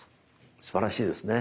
すばらしいですね。